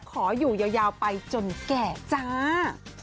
ขออยู่ยาวไปจนแก่จ้า